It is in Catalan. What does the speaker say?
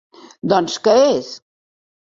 Doncs què és?